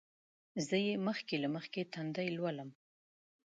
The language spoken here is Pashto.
زه یې مخکې له مخکې تندی لولم.